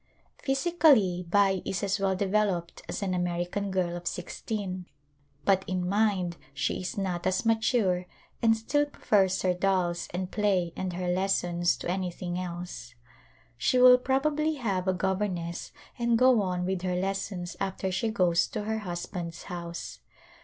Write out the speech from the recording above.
Physically Bai is as well developed as an American girl of sixteen but in mind she is not as mature and still prefers her dolls and play and her lessons to any thing else. She will probably have a governess and go on with her lessons after she goes to her husband's house.